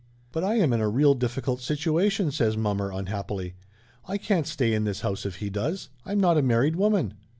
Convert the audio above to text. "But I am in a real difficult situation !" says mommer unhappily. "I can't stay in this house if he does. I'm not a married woman."